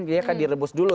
dia akan direbus dulu